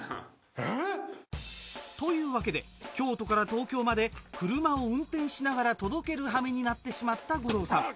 えっ！？というわけで京都から東京まで車を運転しながら届けるはめになってしまった五郎さん。